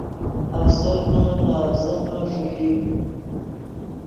افسرنے نے اڤزینے ݰوئی